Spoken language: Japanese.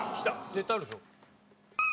絶対あるでしょ。